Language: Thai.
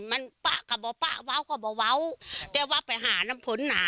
มันปะก็บอกปะว้าวก็บอกว้าวแต่ว่าไปหาน้ำผลน่ะ